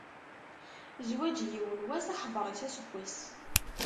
Zzwaǧ yiwen wass, aḥebbeṛ-is aseggas.